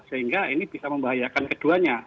sehingga ini bisa membahayakan keduanya